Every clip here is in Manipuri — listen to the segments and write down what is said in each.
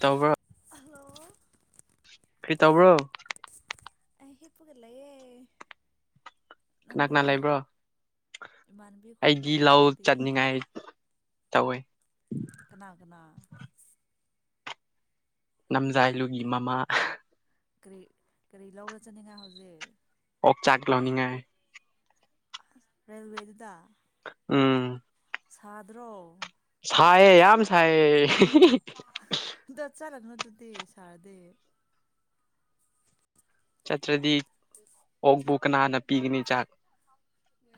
ꯇꯧꯕ꯭ꯔꯣ ꯍꯜꯂꯣ ꯀꯔꯤ ꯇꯧꯕ꯭ꯔꯣ ꯑ ꯍꯦꯄꯒ ꯂꯑꯦ ꯀꯅꯥ ꯀꯅꯥ ꯂꯩꯕ꯭ꯔꯣ ꯏꯃꯥꯟꯅꯕꯤ ꯈꯣꯏꯒ ꯑꯩꯗꯤ ꯂꯩꯌꯦ ꯂꯧ ꯅꯪꯗꯤ ꯆꯠꯅꯤꯡꯉꯥꯏ ꯇꯑꯣꯏ ꯀꯅꯥ ꯀꯅꯥ ꯅꯝꯖꯥꯏꯂꯨꯕꯤ ꯃꯃꯥ ꯀꯔꯤ ꯀꯔꯤ ꯂꯧꯒ ꯆꯠꯅꯤꯡꯉꯥꯏ ꯍꯧꯖꯤꯛ ꯑꯣꯛ ꯆꯥꯛ ꯂꯧꯅꯤꯡꯉꯥꯏ ꯔꯦꯜꯋꯦꯗꯨꯗ ꯎꯝ ꯁꯥꯥꯗ꯭ꯔꯣ ꯁꯥꯢꯌꯦ ꯌꯥꯝꯝ ꯁꯥꯏꯌꯦ ꯆꯠꯂꯛꯅ ꯑꯗꯨꯗꯤꯦ ꯁꯥꯔꯗꯦ ꯆꯠꯇ꯭ꯔꯗꯤ ꯑꯣꯛꯕꯨ ꯀꯅꯥꯅ ꯄꯤꯒꯅꯤ ꯆꯥꯛ ꯑ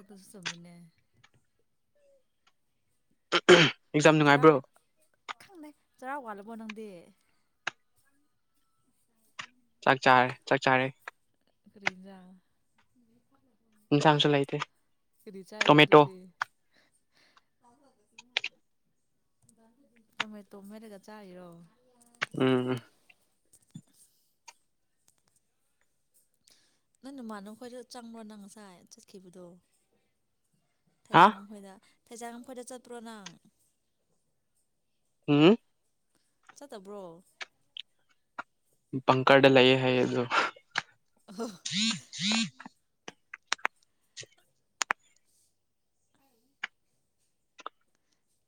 ꯑꯗꯨꯨꯁꯨ ꯆꯨꯝꯃꯤꯅꯦ ꯑꯦꯛꯖꯥꯝ ꯆꯩꯔꯥꯎ ꯅꯨꯡꯉꯥꯏꯕ꯭ꯔꯣ ꯈꯪꯅꯩ ꯆꯔꯥꯛ ꯋꯥꯠꯂꯕꯣ ꯅꯪꯗꯤ ꯆꯥꯛ ꯆꯥꯔꯦ ꯆꯥꯛ ꯆꯥꯔꯦ ꯀꯔꯤꯖꯥ ꯏꯁꯥꯡꯁꯨ ꯂꯩꯥꯏꯇꯦ ꯇꯣꯃꯦꯇꯣ ꯇꯃꯣꯏ ꯇꯣꯃꯦꯔꯒ ꯆꯥꯔꯣ ꯑꯝ ꯅꯪ ꯅꯃꯅ ꯈꯈꯣꯏꯗ ꯆꯪꯕ꯭ꯔꯣ ꯅꯪ ꯉꯁꯥꯏ ꯆꯠꯈꯤꯕꯗꯣ ꯍꯥ ꯊꯖꯪꯒꯝ ꯍꯗ ꯐꯩꯖꯥꯡꯝꯈꯣꯏꯗ ꯆꯠꯇꯄ꯭ꯔꯣ ꯅꯪ ꯎꯝ ꯆꯠꯇꯕ꯭ꯔꯣ ꯄꯪꯈꯥꯗ ꯂ ꯍꯌꯦ ꯍꯌꯦꯦꯣ ꯍ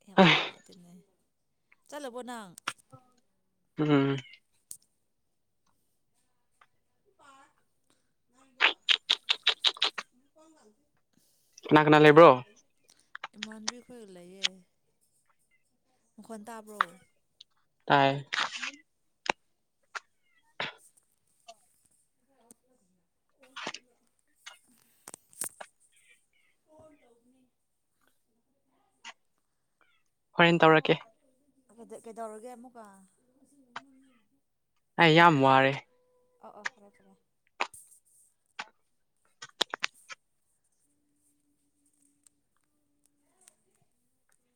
ꯌꯥꯝ ꯅꯨꯡꯉꯥꯏꯇꯅꯦ ꯆꯠꯂꯕꯣ ꯅꯪ ꯎꯝ ꯄꯥ ꯉꯖꯣ ꯀꯣꯟ ꯆꯥꯟꯊ ꯀꯅꯥ ꯀꯅꯥ ꯂꯩꯕ꯭ꯔꯣ ꯏꯃꯥꯟꯕꯤꯈꯣꯏ ꯂꯩꯌꯦ ꯃꯈꯣꯟ ꯇꯥꯕ꯭ꯔꯣ ꯇꯥꯏ [unintelligible] [unintelligible] ꯍꯣꯔꯦꯟ ꯇꯧꯔꯛꯀꯦ ꯀꯩꯗꯧꯔꯒꯦ ꯑꯃꯨꯛꯀ ꯑꯩ ꯌꯥꯝ ꯋꯥꯔꯦ ꯑꯣ ꯑꯣ ꯐꯔꯦ ꯐꯔꯦ